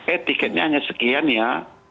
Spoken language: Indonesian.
eh tiketnya hanya sekian ya